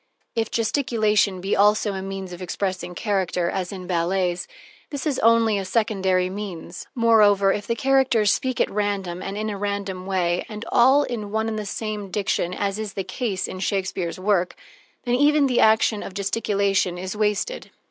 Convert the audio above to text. If gesticulation be also a means of expressing character, as in ballets, this is only a secondary means. Moreover, if the characters speak at random and in a random way, and all in one and the same diction, as is the case in Shakespeare's work, then even the action of gesticulation is wasted.